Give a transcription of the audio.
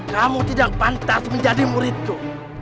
kamu tidak pantas menjadi muridku